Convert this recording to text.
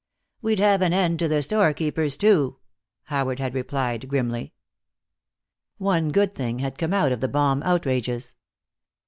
"We'd have an end to the storekeepers, too," Howard had replied, grimly. One good thing had come out of the bomb outrages.